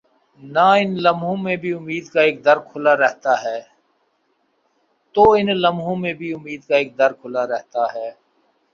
تو ان لمحوں میں بھی امید کا ایک در کھلا رہتا ہے۔